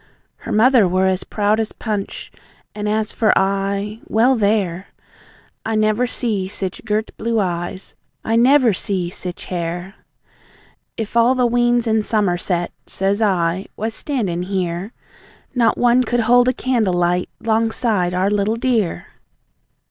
Her mother were as proud as punch, and as for I well, there! I never see sich gert blue eyes, I never see sich hair! "If all the weans in Somerset," says I, "was standin' here, Not one could hold a candle light, 'long side our little dear."